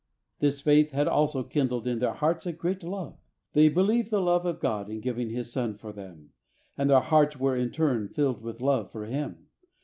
This faith had also kindled in their hearts a great love. They believed the love of God in giving His Son for them, and their hearts were in turn filled with love for Him.